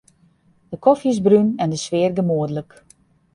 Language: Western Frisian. De kofje is brún en de sfear gemoedlik.